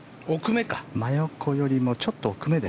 真横よりもちょっと奥めです。